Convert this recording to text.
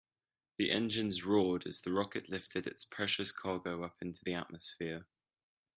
The engines roared as the rocket lifted its precious cargo up into the atmosphere.